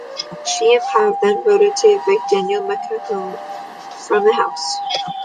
She and Pav then voted to evict Danielle McMahon from the house.